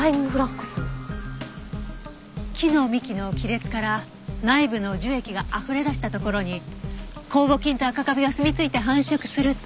木の幹の亀裂から内部の樹液があふれ出したところに酵母菌とアカカビがすみついて繁殖すると。